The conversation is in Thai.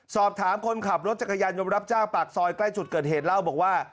สอบถามคนขับรถจักรยานยนต์รับจ้างปากซอยใกล้จุดเกิดเหตุเล่าบอกว่า